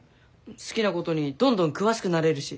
好きなことにどんどん詳しくなれるし。